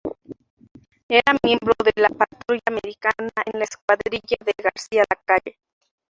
Era miembro de la "Patrulla Americana" en la escuadrilla de García Lacalle.